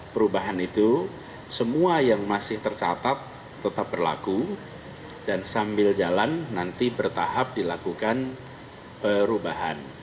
perubahan itu semua yang masih tercatat tetap berlaku dan sambil jalan nanti bertahap dilakukan perubahan